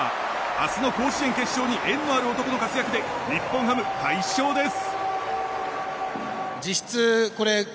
明日の甲子園決勝に縁のある男の活躍で日本ハム、快勝です！